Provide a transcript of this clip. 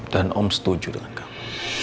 dan om setuju dengan kamu